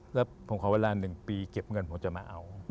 แล้วผมขอเวลา๑ปีเก็บเงินผมจะมาเอา